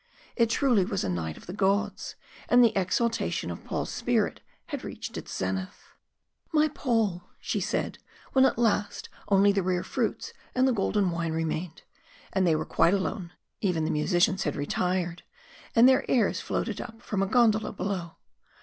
It truly was a night of the gods, and the exaltation of Paul's spirit had reached its zenith. "My Paul," she said, when at last only the rare fruits and the golden wine remained, and they were quite alone even the musicians had retired, and their airs floated up from a gondola below.